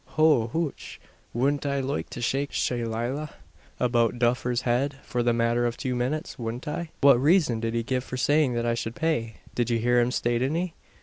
Hoo hooch! wudn't I loike to shake a shaylaylah about Duffer's head for the matther of two minutes? Wudn't I?" "What reason did he give for saying that I should pay? Did you hear him state any?"